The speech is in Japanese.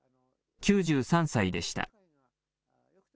９３歳でした。